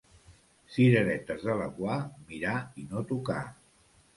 Cireretes de Laguar, mirar i no tocar.